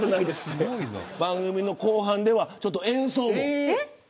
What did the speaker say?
番組後半ではちょっと演奏も。